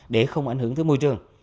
để không ảnh hưởng tới môi trường